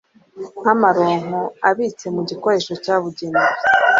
nk'amaronko abitse mu gikoresho cyabugenewe;